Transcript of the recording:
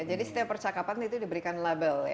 jadi setiap percakapan itu diberikan label ya